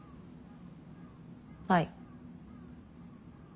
はい。